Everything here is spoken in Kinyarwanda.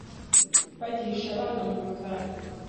bagihisha abana mu bikari